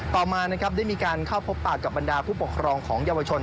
ต่อมานะครับได้มีการเข้าพบปากกับบรรดาผู้ปกครองของเยาวชน